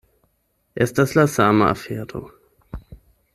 Estas la sama afero.